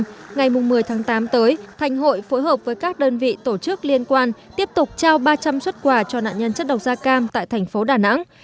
từ ngày một mươi tháng tám tới thành hội phối hợp với các đơn vị tổ chức liên quan tiếp tục trao ba trăm linh xuất quà cho nạn nhân chất độc da cam tại thành phố đà nẵng